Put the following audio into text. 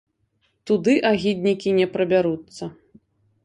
Туды агіднікі не прабяруцца.